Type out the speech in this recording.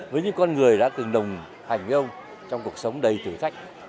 với những con người đã từng đồng hành với ông trong cuộc sống đầy thử thách